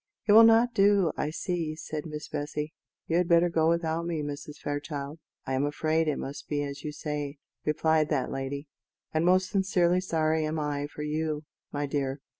"It will not do, I see," said Miss Bessy; "you had better go without me, Mrs. Fairchild." "I am afraid it must be as you say," replied that lady, "and most sincerely sorry am I for you, my dear."